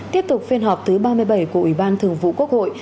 tiếp tục phiên họp thứ ba mươi bảy của ủy ban thường vụ quốc hội